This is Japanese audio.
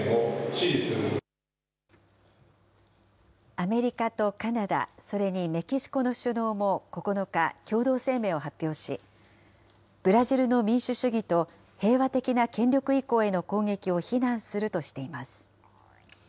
アメリカとカナダ、それにメキシコの首脳も９日、共同声明を発表し、ブラジルの民主主義と平和的な権力移行への攻撃を非難するとして